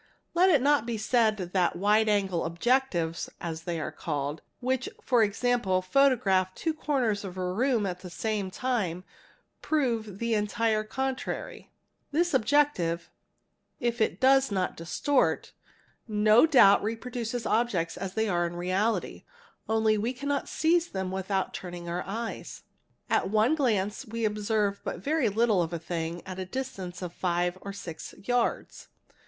Let it not be said that " wide angle objectives "' as they are called, which for example photograph two corners of a room at the same time, prove the entire contrary. This objective (if it does not distort) no doubt reproduces objects as they are in reality only we cannot seize them without turning the eyes. At one glance we observe but very little of a thing at a distance of five or six yards.